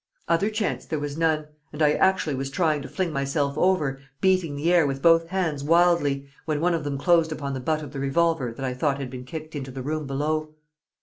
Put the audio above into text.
Other chance there was none, and I was actually trying to fling myself over, beating the air with both hands wildly, when one of them closed upon the butt of the revolver that I thought had been kicked into the room below!